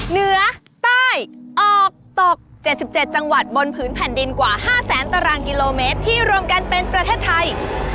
เหนือใต้ออกตก๗๗จังหวัดบนผืนแผ่นดินกว่า๕แสนตารางกิโลเมตรที่รวมกันเป็นประเทศไทย